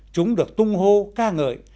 chúng được tung hô ca ngợi